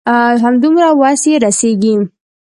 همدومره وس يې رسيږي.